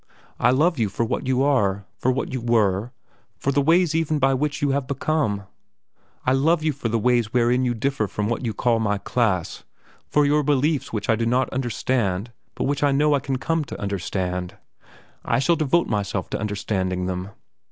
I love you for what you are, for what you were, for the ways even by which you have become. I love you for the ways wherein you differ from what you call my class, for your beliefs which I do not understand but which I know I can come to understand. I shall devote myself to understanding them.